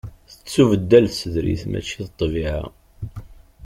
Tettubeddal tsedrit mačči d ṭṭbiɛa.